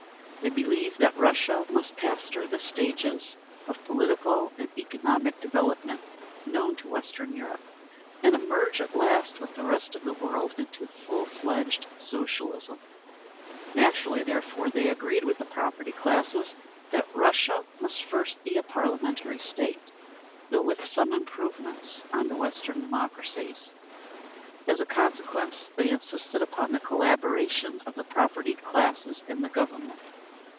They believed that Russia must pass through the stages of political and economic development known to Western Europe, and emerge at last, with the rest of the world, into full fledged Socialism. Naturally, therefore, they agreed with the propertied classes that Russia must first be a parliamentary state—though with some improvements on the Western democracies. As a consequence, they insisted upon the collaboration of the propertied classes in the Government.